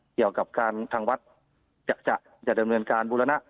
เกี่ยวกับการทางวัดจะดำเนินการบูรณะ